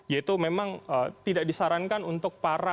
yaitu memang tidak disarankan untuk para